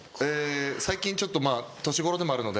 最近ちょっと年頃でもあるので。